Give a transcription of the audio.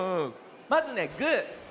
まずねグー。